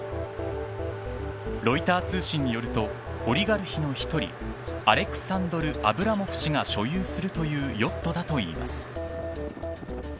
ロイター通信によるとオリガルヒの１人アレクサンドル・アブラモフ氏が所有するというヨットだといいます。